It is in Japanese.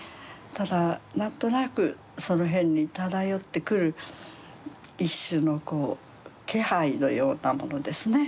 ただ何となくその辺に漂ってくる一種のこう気配のようなものですね。